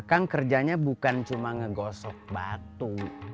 kang kerjanya bukan cuma ngegosok batu